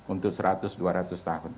untuk seratus dua ratus tahun